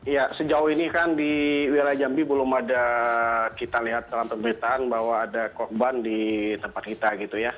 ya sejauh ini kan di wilayah jambi belum ada kita lihat dalam pemberitaan bahwa ada korban di tempat kita gitu ya